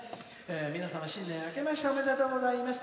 「皆様、新年あけましておめでとうございます。